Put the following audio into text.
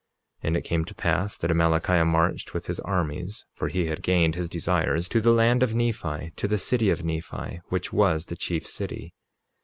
47:20 And it came to pass that Amalickiah marched with his armies (for he had gained his desires) to the land of Nephi, to the city of Nephi, which was the chief city.